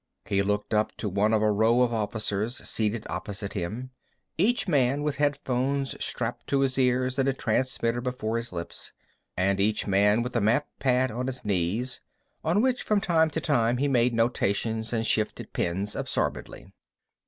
He looked up to one of a row of officers seated opposite him, each man with headphones strapped to his ears and a transmitter before his lips, and each man with a map pad on his knees, on which from time to time he made notations and shifted pins absorbedly.